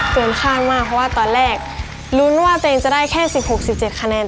เตือนข้างมากเพราะว่าตอนแรกรุ่นว่าตัวเองจะได้แค่สิบหกสิบเจ็ดคะแนน